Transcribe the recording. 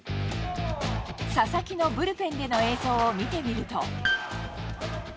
佐々木のブルペンでの映像を見てみると。